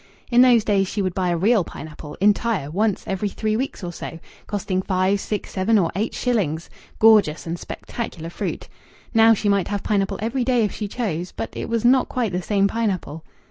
In those days she would buy a real pineapple, entire, once every three weeks or so, costing five, six, seven, or eight shillings gorgeous and spectacular fruit. Now she might have pineapple every day if she chose, but it was not quite the same pineapple.